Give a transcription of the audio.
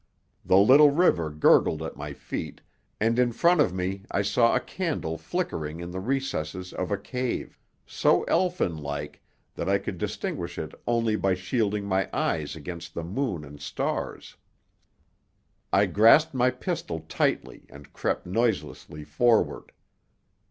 The little river gurgled at my feet, and in front of me I saw a candle flickering in the recesses of a cave, so elfinlike that I could distinguish it only by shielding my eyes against the moon and stars. I grasped my pistol tightly and crept noiselessly forward.